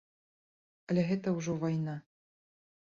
Але гэта ўжо вайна.